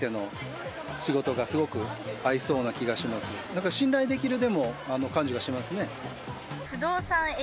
何か信頼できるでも感じがしますね。